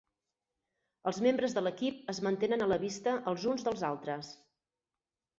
Els membres de l'equip es mantenen a la vista els uns dels altres.